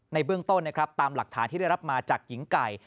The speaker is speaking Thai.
ในเบื้องต้นนะครับตามหลักฐานที่ได้รับมาจากหญิงไก่